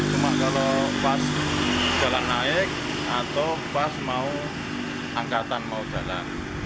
cuma kalau pas jalan naik atau pas mau angkatan mau jalan